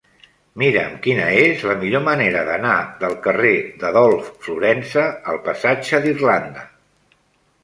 Mira'm quina és la millor manera d'anar del carrer d'Adolf Florensa al passatge d'Irlanda.